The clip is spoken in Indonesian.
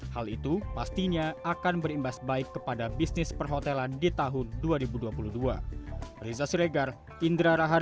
hal itu pastinya akan berimbas baik kepada bisnis perhotelan di tahun dua ribu dua puluh dua